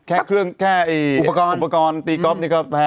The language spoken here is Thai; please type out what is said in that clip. แค่เครื่องแค่อุปกรณ์ตีก๊อบนี่ก็แพง